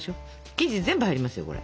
生地全部入りますよこれ。